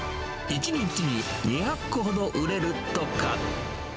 １日に２００個ほど売れるとか。